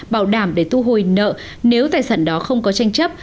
bảo đảm để thu hồi nợ nếu tài sản đó không có tranh chấp